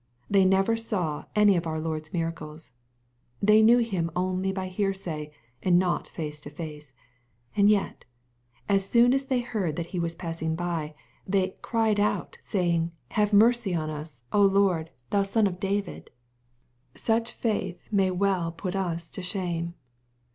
They never saw any of our Iiord's miracles. Tl^ey knew Him only by hear say, and not face to face. And yet, as soon as they heard that He was passing by, they " cried out, saying, Have meicy on us, Lord, thou Son of David.'* 260 KXPOsrroRY THOtroHTS. Sucli faith may well put us to shame.